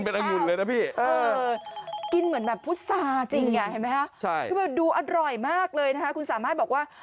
กินมะเขือแทนข้าวเออกินเหมือนแบบพุทธศาสตร์จริงไงเห็นไหมฮะดูอร่อยมากเลยนะคะคุณสามารถบอกว่า